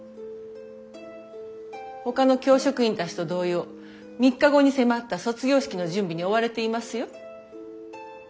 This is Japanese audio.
ほかの教職員たちと同様３日後に迫った卒業式の準備に追われていますよ。